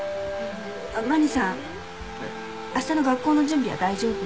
まにさん明日の学校の準備は大丈夫？